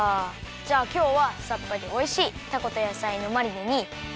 じゃあきょうはさっぱりおいしいたことやさいのマリネにきまり！